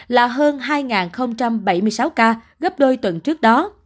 là hơn hai bảy mươi sáu ca gấp đôi tuần trước đó